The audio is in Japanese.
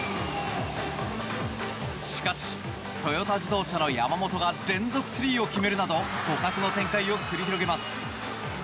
しかし、トヨタ自動車の山本が連続スリーを決めるなど互角の展開を繰り広げます。